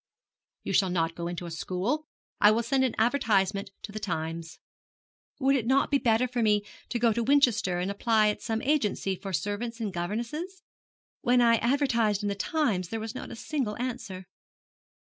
'You shall not go into a school. I will send an advertisement to the Times.' 'Would it not be better for me to go to Winchester and apply at some agency for servants and governesses? When I advertised in the Times there was not a single answer.'